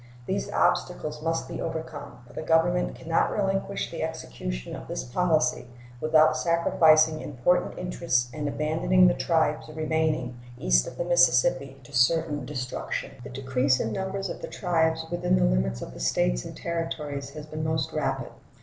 These obstacles must be overcome, for the Government can not relinquish the execution of this policy without sacrificing important interests and abandoning the tribes remaining east of the Mississippi to certain destruction. The decrease in numbers of the tribes within the limits of the States and Territories has been most rapid.